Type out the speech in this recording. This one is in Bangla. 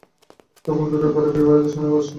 তখন দূরের পাড়ায় বিয়েবাড়িতে সানাই বাজছে।